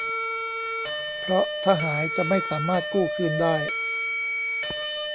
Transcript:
เพราะถ้าหายจะไม่สามารถกู้คืนได้